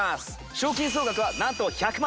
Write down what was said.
賞金総額はなんと１００万円！